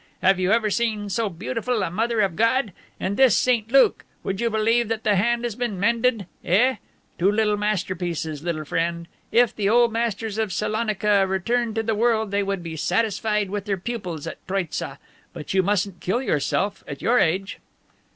Have you ever seen so beautiful a Mother of God? And this St. Luke, would you believe that the hand had been mended, eh? Two little masterpieces, little friend! If the old masters of Salonika returned to the world they would be satisfied with their pupils at Troitza. But you mustn't kill yourself at your age!"